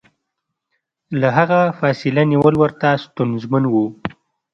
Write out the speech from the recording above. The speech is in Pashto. له هغه فاصله نیول ورته ستونزمن و.